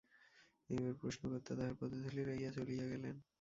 এইবার প্রশ্নকর্তা তাঁহার পদধূলি লইয়া চলিয়া গেলেন।